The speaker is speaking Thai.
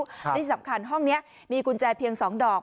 ที่สำคัญห้องนี้มีกุญแจเพียง๒ดอก